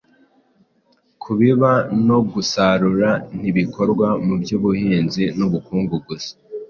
Kubiba no gusarura ntibikorwa mu by’ubuhinzi n’ubukungu gusa,